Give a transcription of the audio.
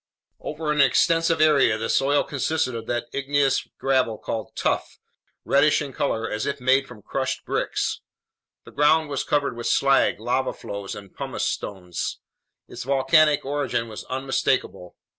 Over an extensive area, the soil consisted of that igneous gravel called "tuff," reddish in color as if made from crushed bricks. The ground was covered with slag, lava flows, and pumice stones. Its volcanic origin was unmistakable.